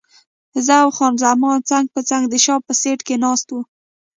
زه او خان زمان څنګ پر څنګ د شا په سیټ کې ناست وو.